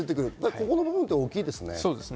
ここの部分は大きいですね。